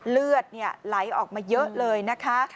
เลือดไหลออกมาเยอะเลยนะคะ